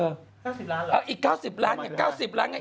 อีก๙๐ล้านไง